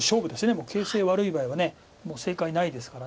もう形勢悪い場合は正解ないですから。